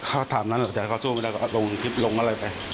ก็ถามนั้นเดี๋ยวเขาสู้ไม่ได้ก็ลงคลิปลงอะไรไป